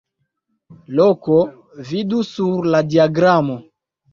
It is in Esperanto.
Loko: vidu sur la diagramo.